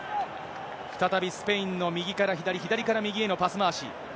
再びスペインの右から左、左から右へのパス回し。